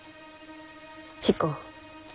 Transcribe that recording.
彦。